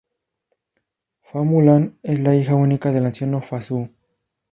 Fa Mulan es la hija única del anciano Fa Zhou.